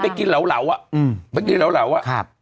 พี่ไปกินเหลาเหลาอ่ะไปกินเหลาเหลาอ่ะ